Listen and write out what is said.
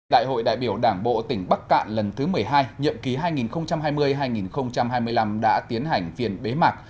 đại hội đại biểu đảng bộ tỉnh bắc cạn lần thứ một mươi hai nhậm ký hai nghìn hai mươi hai nghìn hai mươi năm đã tiến hành phiền bế mạc